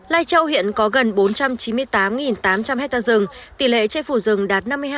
lai châu hiện có gần bốn trăm chín mươi tám tám trăm linh hectare rừng tỷ lệ chế phủ rừng đạt năm mươi hai ba mươi năm